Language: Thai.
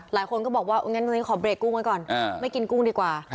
หลายคนก็บอกว่างั้นวันนี้ขอเรกกุ้งไว้ก่อนไม่กินกุ้งดีกว่า